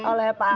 oleh pak ari